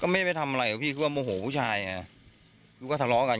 ก็ไม่ได้ไปทำอะไรกับพี่เพราะว่าโมโหผู้ชายไงแล้วก็ทะเลาะกัน